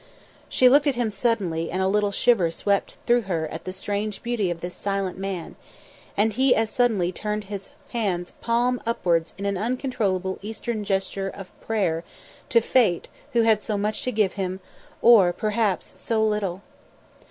She looked at him suddenly and a little shiver swept her at the strange beauty of this silent man; and he as suddenly turned his hands palm upwards in an uncontrollable gesture of Eastern prayer to Fate who had so much to give him, or, perhaps, so little!